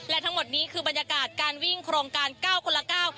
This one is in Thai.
และทั้งหมดนี้คือบรรยากาศการวิ่งโครงการเก้าคนละเก้า